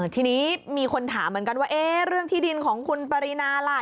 ทีนี้มีคนถามเหมือนกันว่าเรื่องที่ดินของคุณปรินาล่ะ